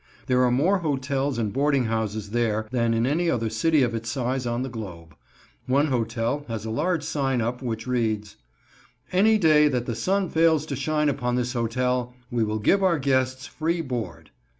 There are more hotels and boarding houses there than in any other city of its size on the globe. One hotel has a large sign up which reads: "Any Day that the Sun Fails to Shine Upon this Hotel, we will Give Our Guests Free Board."